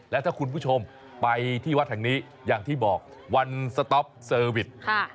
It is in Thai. และถ้าคุณผู้ชมไปที่วัดแห่งนี้อย่างที่บอกวันสต๊อปเซอร์วิส